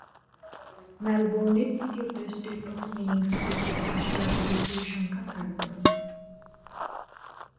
মেলবোর্নে তৃতীয় টেস্টের প্রথম ইনিংসে ব্যক্তিগত সেরা বোলিং পরিসংখ্যান দাঁড় করান।